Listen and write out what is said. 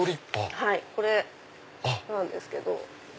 これなんですけど。